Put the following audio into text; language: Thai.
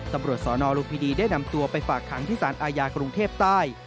ตำรวจสนลุมพินีได้นำตัวไปฝากขังที่สารอาญากรุงเทพใต้